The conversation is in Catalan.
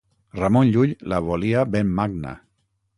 Ramon Llull la volia ben magna.